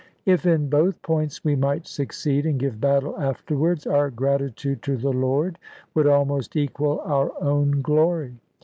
If in both points we might succeed, and give battle afterwards, our gratitude to the Lord would almost equal our own glory.